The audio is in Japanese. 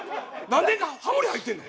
誰かハモリ入ってんの？